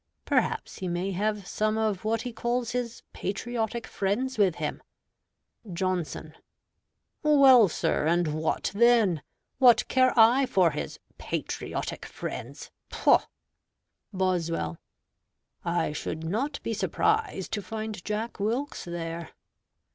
Perhaps he may have some of what he calls his patriotic friends with him. Johnson Well, sir, and what then? What care I for his patriotic friends? Poh! Boswell I should not be surprised to find Jack Wilkes there.